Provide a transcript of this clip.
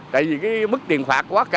tại vì mức tiền phạt quá